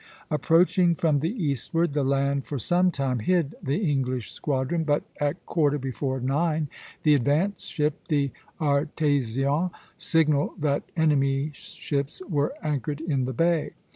Approaching from the eastward, the land for some time hid the English squadron; but at quarter before nine the advance ship, the "Artésien," signalled that enemy's ships were anchored in the bay.